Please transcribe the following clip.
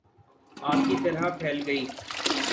آگ کی طرح پھیل گئی